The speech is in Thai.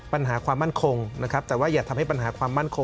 ปัญหาความมั่นคงนะครับแต่ว่าอย่าทำให้ปัญหาความมั่นคง